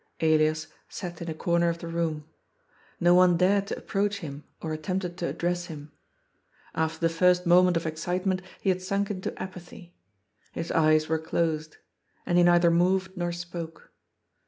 Elias sat in a comer of the room. No one dared to approach him or attempted to address him. After the first moment of excitement he had sunk into apathy. His eyes were closed. And he neither moved nor spoke.